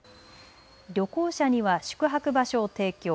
旅行者には宿泊場所を提供。